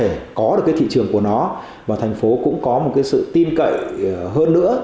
để có được cái thị trường của nó và thành phố cũng có một cái sự tin cậy hơn nữa